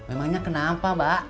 emangnya kenapa mbak